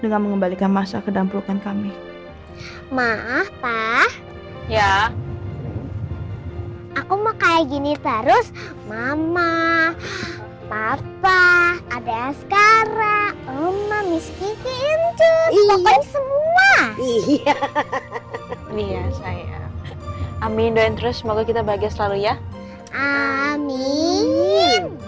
kembalikan masa kedampukan kami maaf pak ya aku mau kayak gini terus mama papa ada sekarang